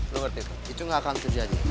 lo ngerti itu gak akan terjadi